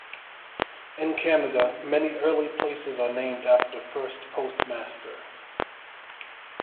In Canada, many early places are named after the first postmaster.